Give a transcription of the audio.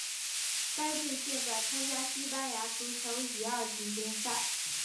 该队现在参加西班牙足球乙二级联赛。